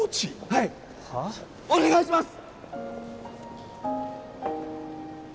はいお願いします！